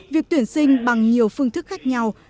việc tuyển sinh bằng nhiều phương thức khác nhau